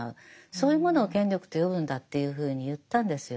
そういうものを権力と呼ぶんだっていうふうに言ったんですよ。